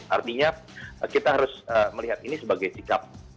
artinya kita harus melihat ini sebagai sikap